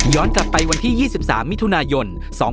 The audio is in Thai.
กลับไปวันที่๒๓มิถุนายน๒๕๖๒